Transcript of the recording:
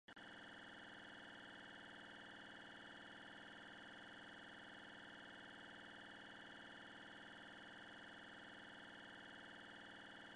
La ciudad se encuentra en la zona subtropical con estación seca.